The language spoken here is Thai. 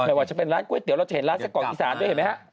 ว่าจะเป็นร้านก๋วยเตี๋ยเราจะเห็นร้านไส้กรอกอีสานด้วยเห็นไหมฮะ